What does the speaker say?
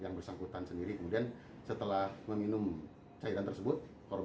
yang bersangkutan sendiri kemudian setelah meminum cairan tersebut